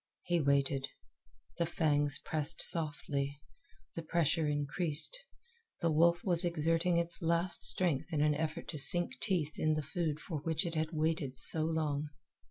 He waited. The fangs pressed softly; the pressure increased; the wolf was exerting its last strength in an effort to sink teeth in the food for which it had waited so long.